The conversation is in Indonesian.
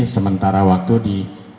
sementara waktu di